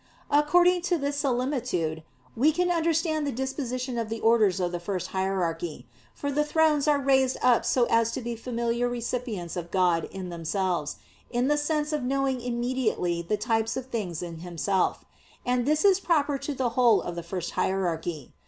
According to this similitude, we can understand the disposition in the orders of the first hierarchy; for the "Thrones" are raised up so as to be the familiar recipients of God in themselves, in the sense of knowing immediately the types of things in Himself; and this is proper to the whole of the first hierarchy.